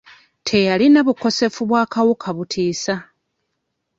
Teyalina bukosefu bwa kawuka butiisa.